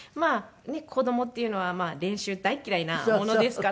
子供っていうのは練習大嫌いなものですから。